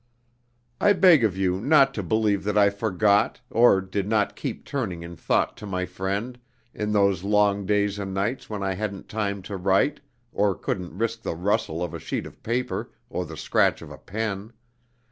"I beg of you not to believe that I forgot, or did not keep turning in thought to my friend, in those long days and nights when I hadn't time to write, or couldn't risk the rustle of a sheet of paper, or the scratch of a pen.